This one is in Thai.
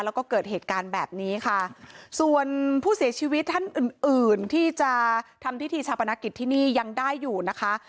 แล้วก็เกิดเหตุการณ์แบบนี้ค่ะส่วนผู้เสียชีวิตท่านอื่นอื่นที่จะทำพิธีชาปนกิจที่นี่ยังได้อยู่นะคะ